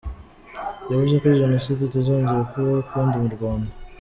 Yavuze ko Jenoside itazongera kubaho ukundi mu Rwanda.